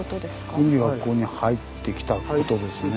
海がここに入ってきたことですね。